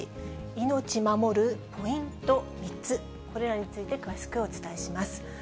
命守るポイント３つ、これらについて詳しくお伝えします。